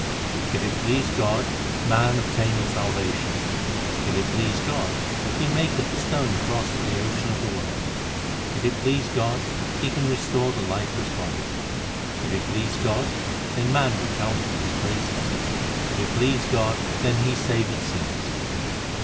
If it please God, man obtaineth salvation ; If it please God, He maketh a stone cross the ocean of the world ; If it please God, He can restore the lifeless body ; If it please God, then man recounteth His praises ; If it please God, then He saveth sinners.